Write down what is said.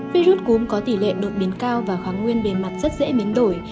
virus cúm có tỷ lệ đột biến cao và kháng nguyên bề mặt rất dễ biến đổi